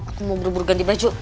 aku mau buru buru ganti baju